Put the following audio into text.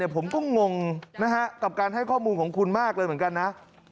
ผมก็งงกับการให้ข้อมูลของคุณมากเลยเหมือนกันนะ